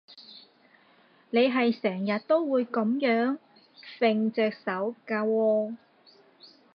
你係成日都會噉樣揈隻手㗎喎